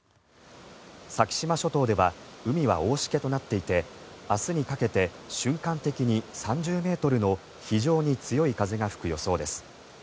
先島諸島では海は大しけとなっていて明日にかけて瞬間的に３０ｍの非常に強い風が吹く予想です。